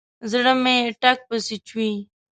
زړه مې ټک پسې چوي.